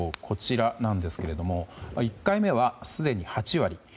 こちらなんですが１回目はすでに８割。